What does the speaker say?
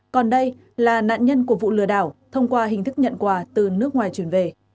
còn đây là nạn nhân của vụ lừa đảo thông qua hình thức nhận quà từ nước ngoài chuyển về